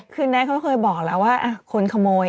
คือแน็ตเขาเคยบอกแล้วว่าคนขโมย